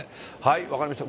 分かりました。